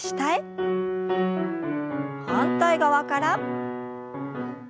反対側から。